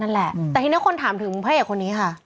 นั่นแหละแต่ทีนี้คนถามถึงพระเอกคนนี้ค่ะ